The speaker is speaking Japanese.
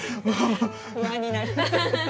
不安になります。